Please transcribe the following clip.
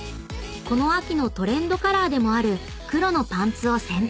この秋のトレンドカラーでもある黒のパンツを選択］